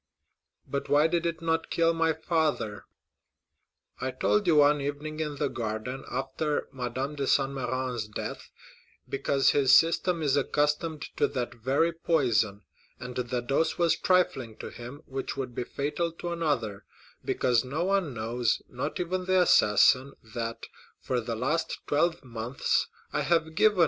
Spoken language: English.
"But why did it not kill my father?" "I told you one evening in the garden after Madame de Saint Méran's death—because his system is accustomed to that very poison, and the dose was trifling to him, which would be fatal to another; because no one knows, not even the assassin, that, for the last twelve months, I have given M.